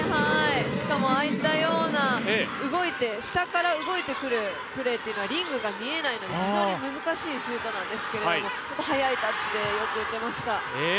しかもああいったような下から動いてくるプレーというのはリングが見えないので、非常に難しいシュートなんですけれども、速いタッチで、よく打てました。